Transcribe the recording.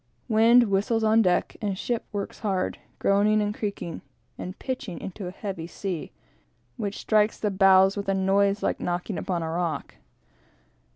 Wind whistles on deck, and ship works hard, groaning and creaking, and pitching into a heavy head sea, which strikes against the bows, with a noise like knocking upon a rock.